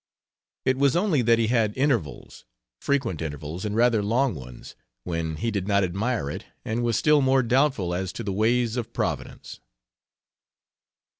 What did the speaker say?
It was only that he had intervals frequent intervals, and rather long ones when he did not admire it, and was still more doubtful as to the ways of providence.